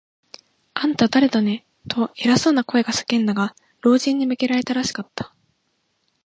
「あんた、だれだね？」と、偉そうな声が叫んだが、老人に向けられたらしかった。